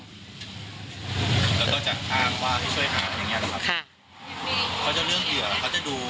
แล้วก็จะอ้างว่าให้ช่วยหาอย่างเงี้หรอครับค่ะเขาจะเรื่องเหยื่อเขาจะดู